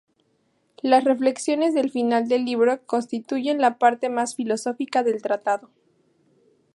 Las reflexiones del final del libro constituyen la parte más filosófica del tratado.